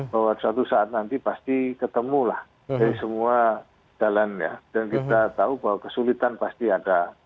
bahwa suatu saat nanti pasti ketemu lah dari semua jalan ya dan kita tahu bahwa kesulitan pasti ada